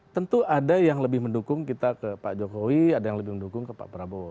tentu ada yang lebih mendukung kita ke pak jokowi ada yang lebih mendukung ke pak prabowo